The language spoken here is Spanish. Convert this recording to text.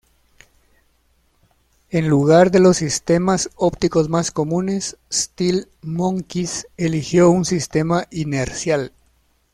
En lugar de los sistemas ópticos más comunes, Steel Monkeys eligió un sistema inercial.